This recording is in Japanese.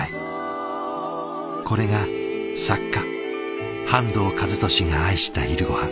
これが作家半藤一利が愛した昼ごはん。